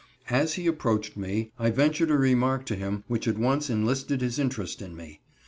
As he approached me, I ventured a remark to him which at once enlisted his interest in me.